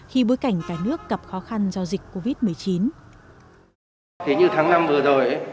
khi bối cảnh cả nước gặp khó khăn do dịch covid một mươi chín